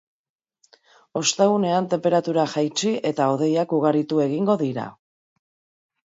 Ostegunean tenperatura jaitsi, eta hodeiak ugaritu egingo dira.